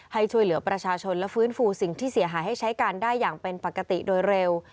ให้ช่วยเหลือประชาชนและฟื้นฟูสิ่งที่เสียหายให้ใช้การได้อย่างเป็นปกติโดยเร็ว